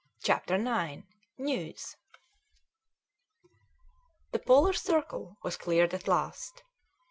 CHAPTER IX NEWS The Polar circle was cleared at last.